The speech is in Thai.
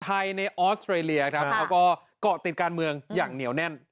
ในออสเตรเลียครับเขาก็เกาะติดการเมืองอย่างเหนียวแน่น